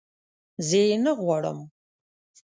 زه یې نه غواړم